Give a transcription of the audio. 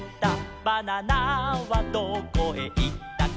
「バナナはどこへいったかな」